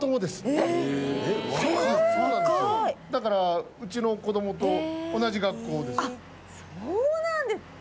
だからうちの子どもと同じ学校です。